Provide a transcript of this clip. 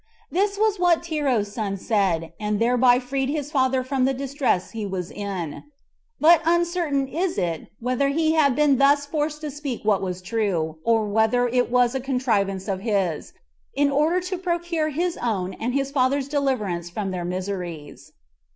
This was what Tero's son said, and thereby freed his father from the distress he was in; but uncertain it is whether he had been thus forced to speak what was true, or whether it were a contrivance of his, in order to procure his own and his father's deliverance from their miseries.